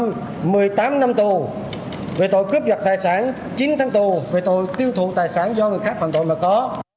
sử phạt bị cáo nguyễn thành lâm một mươi tám năm tù về tội cướp giật tài sản chín tháng tù về tội tiêu thụ tài sản do người khác phạm tội mà có